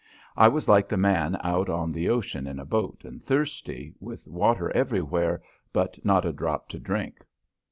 I was like the man out on the ocean in a boat and thirsty, with water everywhere, but not a drop to drink.